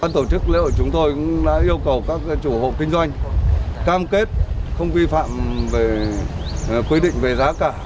tổ chức lễ hội chúng tôi đã yêu cầu các chủ hộ kinh doanh cam kết không vi phạm quy định về giá cả